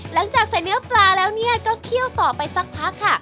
หลังจากใส่เนื้อปลาแล้วเนี่ยก็เคี่ยวต่อไปสักพักค่ะ